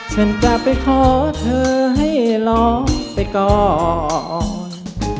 ฉันจะไปขอเธอให้รอไปก่อน